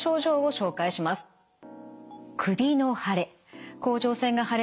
首の腫れ。